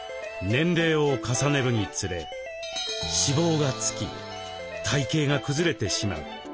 年齢を重ねるにつれ脂肪がつき体形がくずれてしまう。